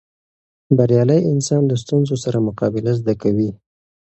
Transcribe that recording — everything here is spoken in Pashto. بریالی انسان د ستونزو سره مقابله زده کوي.